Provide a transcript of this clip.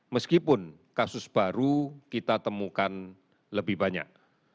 meskipun kasus baru kita temukan lebih banyak